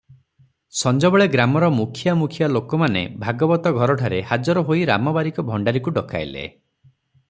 ସଞ୍ଜବେଳେ ଗ୍ରାମର ମୁଖିଆ ମୁଖିଆ ଲୋକମାନେ ଭାଗବତଘରଠାରେ ହାଜର ହୋଇ ରାମ ବାରିକ ଭଣ୍ଡାରିକୁ ଡକାଇଲେ ।